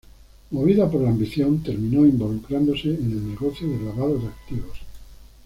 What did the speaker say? Movida por la ambición, terminó involucrándose en el negocio del lavado de activos.